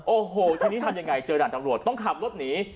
โอ้โหทีนี้ทำยังไงเจอด่านตำรวจต้องขับรถหนี